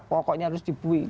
pokoknya harus dibuik